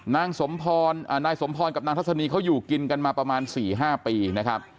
นางสมพรอ่านายสมพรกับนางทัศนีเขาอยู่กินกันมาประมาณสี่ห้าปีนะครับ